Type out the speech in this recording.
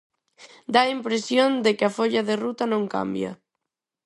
Dá a impresión de que a folla de ruta non cambia.